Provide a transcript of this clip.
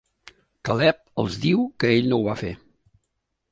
Caleb els diu que ell no ho va fer.